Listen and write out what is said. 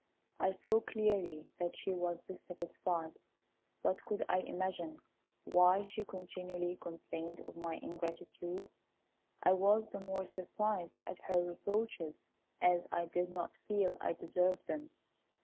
I saw clearly that she was dissatisfied; but could I imagine why she continually complained of my ingratitude? I was the more surprised at her reproaches as I did not feel I deserved them.